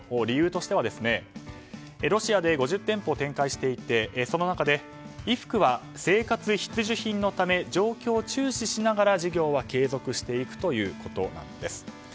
理由としてはロシアで５０店舗を展開していてその中で衣服は生活必需品のため状況を注視しながら事業は継続していくということなんです。